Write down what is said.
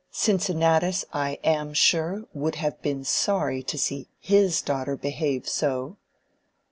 Cincinnatus, I am sure, would have been sorry to see his daughter behave so."